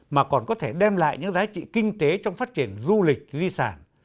mà còn có thể đem lại những giá trị kinh tế trong phát triển du lịch di sản